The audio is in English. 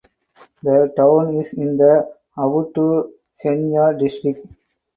The town is in the Awutu Senya district.